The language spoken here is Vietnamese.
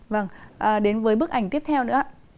vâng đến với bức ảnh tiếp theo nữa